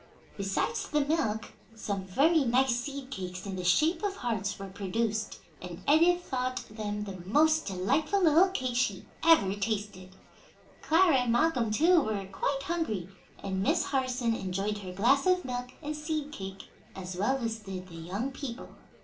Besides the milk, some very nice seed cakes in the shape of hearts were produced, and Edith thought them the most delightful little cakes she had ever tasted. Clara and Malcolm, too, were quite hungry, and Miss Harson enjoyed her glass of milk and seed cake as well as did the young people.